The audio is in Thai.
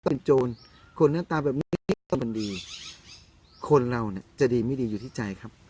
เป็นโจรคนหน้าตาแบบนี้ก็มันดีคนเราเนี่ยจะดีไม่ดีอยู่ที่ใจครับ